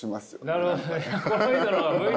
なるほどね。